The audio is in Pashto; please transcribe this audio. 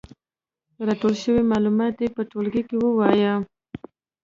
راټول شوي معلومات دې په ټولګي کې ووايي.